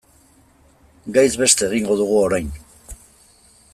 Gaiz beste egingo dugu orain.